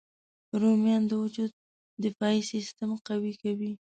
رومیان د وجود دفاعي سیسټم قوي کوي